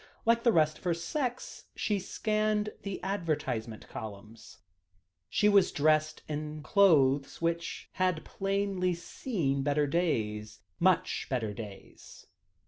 Like the rest of her sex who scanned the advertisement columns, she was dressed in clothes which had plainly seen better days much better days.